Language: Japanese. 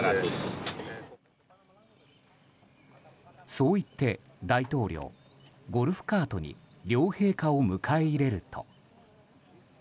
そう言って大統領ゴルフカートに両陛下を迎え入れると。